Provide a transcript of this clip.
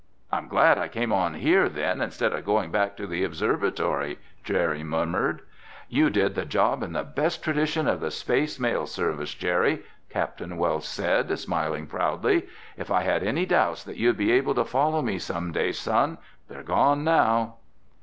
"I'm glad I came on here, then, instead of going back to the observatory," Jerry murmured. "You did the job in the best tradition of the Space Mail Service, Jerry," Capt. Welsh said, smiling proudly. "If I had any doubts that you'd be able to follow me some day, Son, they're gone now."